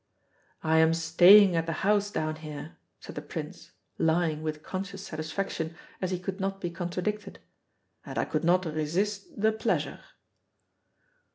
"I am staying at a house down here," said the Prince, lying with conscious satisfaction as he could not be contradicted, "and I could not resist the pleasure."